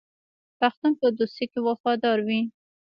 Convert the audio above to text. پښتون په دوستۍ کې وفادار وي.